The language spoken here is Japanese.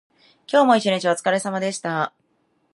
今日も一日おつかれさまでした。